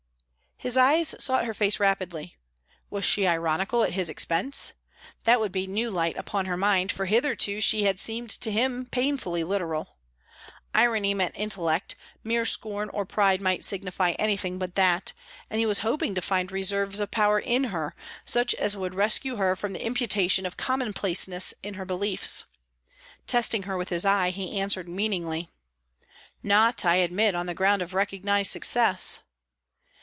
His eyes sought her face rapidly. Was she ironical at his expense? That would be new light upon her mind, for hitherto she had seemed to him painfully literal. Irony meant intellect; mere scorn or pride might signify anything but that. And he was hoping to find reserves of power in her, such as would rescue her from the imputation of commonplaceness in her beliefs. Testing her with his eye, he answered meaningly: "Not, I admit, on the ground of recognized success."